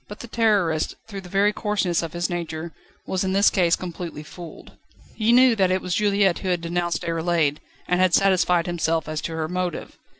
But the Terrorist, through the very coarseness of his nature, was in this case completely fooled. He knew that it was Juliette who had denounced Déroulède, and had satisfied himself as to her motive.